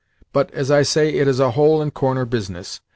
But, as I say, it is a hole and corner business.